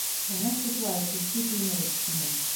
Кәңәш туплайыҡ, көстө төйнәйек, тинем.